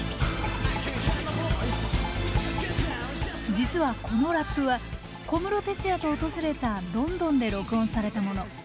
実はこのラップは小室哲哉と訪れたロンドンで録音されたもの。